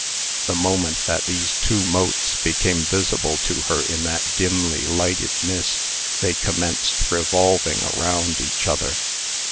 The moment that these two motes became visible to her in that dimly lighted mist, they commenced revolving around each other.